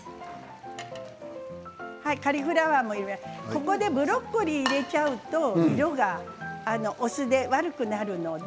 ここでブロッコリーを入れちゃうと色がお酢で悪くなるので。